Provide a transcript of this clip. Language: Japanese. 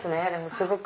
すごく。